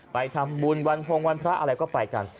ไปทำบุญวันพงวันพระอะไรก็ไปกัน